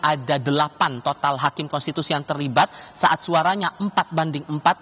ada delapan total hakim konstitusi yang terlibat saat suaranya empat banding empat